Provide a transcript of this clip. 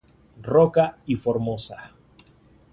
Roca y Formosa.